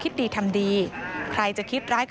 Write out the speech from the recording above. ยึดมั่นในหลักธรรมที่พระครูบาบุญชุมท่านได้สอนเอาไว้ค่ะ